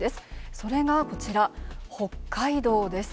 それがこちら、北海道です。